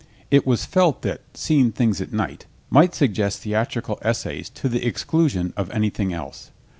It was felt that Seeing Things at Night might suggest theatrical essays to the exclusion of anything else.